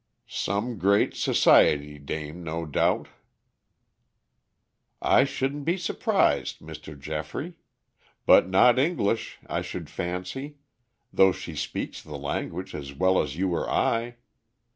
"Some great society dame, no doubt." "I shouldn't be surprised, Mr. Geoffrey. But not English, I should fancy, though she speaks the language as well as you or I.